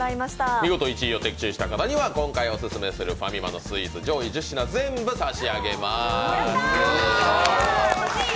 見事１位を的中した方には今回オススメするファミマのスイーツ上位１０品すべて差し上げます。